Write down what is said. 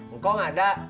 engkau gak ada